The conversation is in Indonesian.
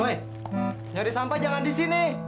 woi nyari sampai jangan disini